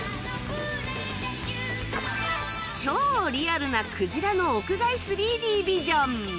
超リアルなクジラの屋外 ３Ｄ ビジョン